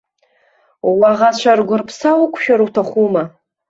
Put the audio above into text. Уаӷацәа ргәырԥса уқәшәар уҭахума?